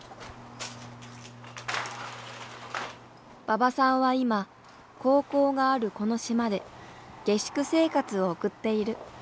馬場さんは今高校があるこの島で下宿生活を送っている。